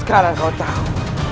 sekarang kau tahu